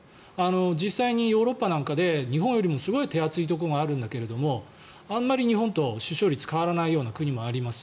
実際にヨーロッパなんかで日本よりもすごい手厚いところがあるんだけどあまり日本と出生率が変わらないような国もあります。